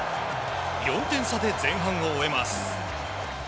４点差で前半を終えます。